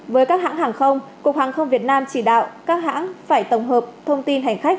với các hãng hàng không cục hàng không việt nam chỉ đạo các hãng phải tổng hợp thông tin hành khách